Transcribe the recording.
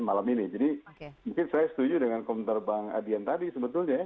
malam ini jadi mungkin saya setuju dengan komentar bang adian tadi sebetulnya ya